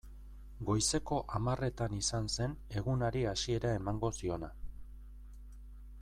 Goizeko hamarretan izan zen egunari hasiera emango ziona.